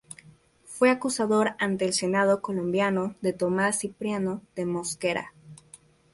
Fue acusador ante el senado colombiano de Tomás Cipriano de Mosquera.